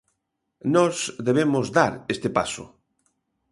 Nós debemos dar este paso.